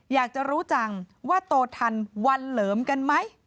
อยากจะรู้จังว่าโตทันวันเหลิมกันไหม